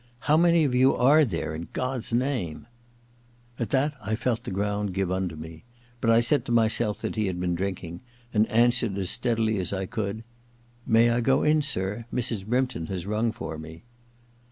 * How many of you are therCy in God's name ?' At that I felt the ground give under me ; but I said to myself that he had been drinking, and answered as steadily as I could :^ May I go in, sir? Mrs. Brympton has rung for me.'